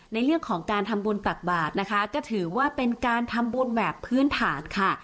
ในเรื่องของการทำบุญตักบาทนะคะก็ถือว่าเป็นการทำบุญแบบพื้นฐานค่ะ